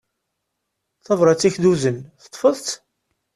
Tabrat i ak-d-tuzen teṭṭfeḍ-tt.